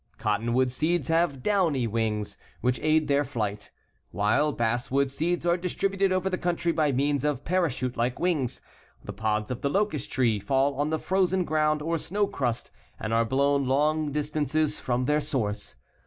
Cottonwood seeds have downy wings which aid their flight, while basswood seeds are distributed over the country by means of parachute like wings. The pods of the locust tree fall on the frozen ground or snow crust and are blown long distances from their source.